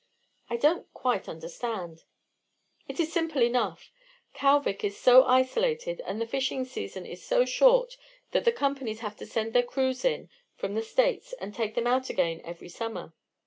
"I don't quite understand " "It is simple enough. Kalvik is so isolated and the fishing season is so short that the Companies have to send their crews in from the States and take them out again every summer.